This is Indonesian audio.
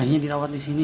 akhirnya dirawat di sini